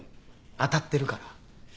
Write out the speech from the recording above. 当たってるから。